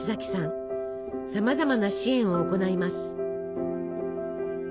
さまざまな支援を行います。